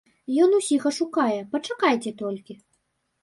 Ён усіх ашукае, пачакайце толькі!